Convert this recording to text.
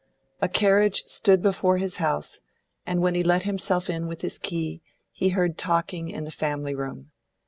A carriage stood before his house, and when he let himself in with his key, he heard talking in the family room.